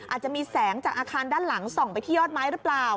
อาจจะมีแสงจากอาคารด้านหลังส่องไปที่ยอดไม้หรือเปล่า